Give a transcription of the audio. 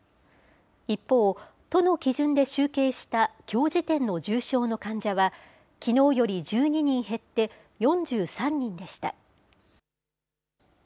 一方、都の基準で集計したきょう時点の重症の患者は、きのうより１２人減って４３人でした。